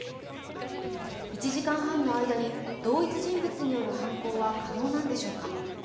１時間半の間に同一人物による犯行は可能なのでしょうか？